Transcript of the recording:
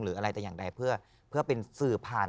อะไรแต่อย่างใดเพื่อเป็นสื่อผ่าน